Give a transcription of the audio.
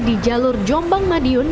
di jalur jombang madiun